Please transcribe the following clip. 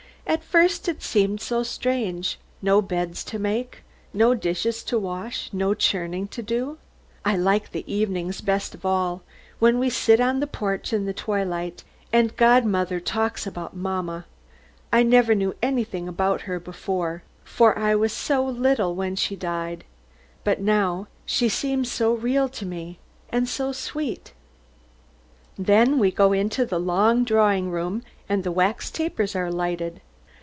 At first it seemed so strange, no beds to make, no dishes to wash, no churning to do. I like the evenings best of all. Then we sit on the porch in the twilight, and godmother talks about mamma. I never knew anything about her before, for I was so little when she died; but now she seems so real to me and so sweet. Then we go into the long drawing room, and the wax tapers are lighted.